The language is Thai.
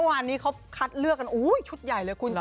งานนี้เขาคัดเลือกกันชุดใหญ่เลยคุณ